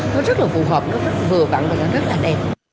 nó rất là phù hợp nó rất là vừa vặn và nó rất là đẹp